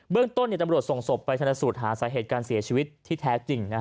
เรื่องต้นตำรวจส่งศพไปชนสูตรหาสาเหตุการเสียชีวิตที่แท้จริง